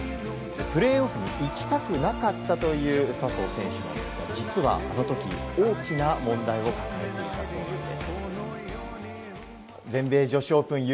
プレーオフに行きたくなかったという笹生選手なんですが実はあの時、大きな問題を抱えていたそうなんです。